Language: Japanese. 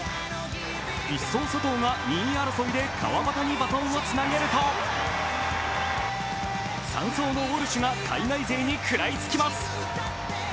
１走・佐藤が２位争いで川端にバトンをつなげると３走のウォルシュが海外勢に食らいつきます。